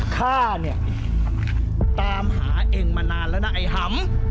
ฆ่าเนี่ยตามหาเองมานานแล้วนะไอ้หำ